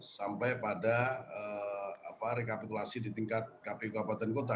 sampai pada rekapitulasi di tingkat kpu kabupaten kota